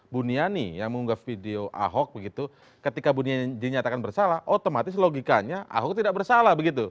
bu niani yang mengunggah video ahok begitu ketika bu niani dinyatakan bersalah otomatis logikanya ahok tidak bersalah begitu